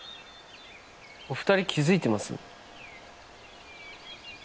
「お二人気づいてます？」